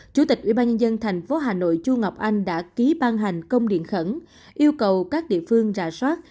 chủ tịch ubnd tp hà nội chu ngọc anh đã ký ban hành công điện khẩn yêu cầu các địa phương rà soát